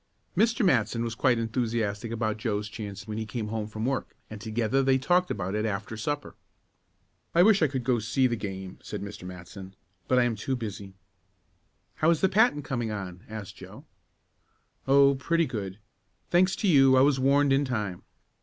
Mr. Matson was quite enthusiastic about Joe's chance when he came home from work, and together they talked about it after supper. "I wish I could go see the game," said Mr. Matson, "but I am too busy." "How is the patent coming on?" asked Joe. "Oh, pretty good. Thanks to you I was warned in time.